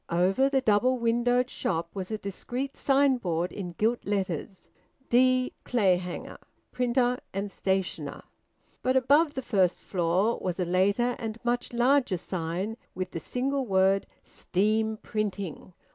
Over the double windowed shop was a discreet signboard in gilt letters, "D. Clayhanger, Printer and Stationer," but above the first floor was a later and much larger sign, with the single word, "Steam printing."